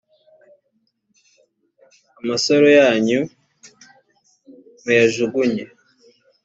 amasaro yanyu muyajugunye